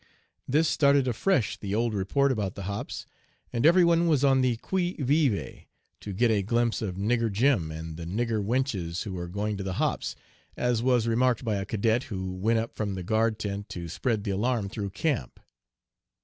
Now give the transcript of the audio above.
"This started afresh the old report about the 'hops,' and every one was on the qui vive to get a glimpse of 'nigger Jim and the nigger wenches who are going to the hops,' as was remarked by a cadet who went up from the guard tent to spread the alarm through camp.